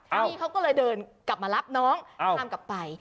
พี่เขาก็เลยเดินกลับมารับน้องพามกลับไป